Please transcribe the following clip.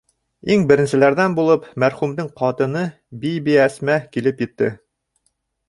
Иң беренселәрҙән булып мәрхүмдең ҡатыны Бибиәсмә килеп етте.